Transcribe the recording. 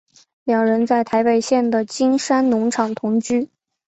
两人在台北县的金山农场同居。